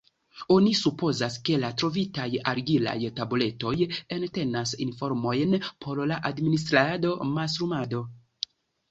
Oni supozas, ke la trovitaj argilaj tabuletoj entenas informojn por la administrado, mastrumado.